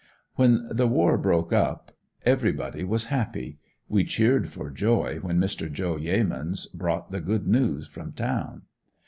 When the war broke up everybody was happy. We cheered for joy when Mr. Joe Yeamans brought the good news from town.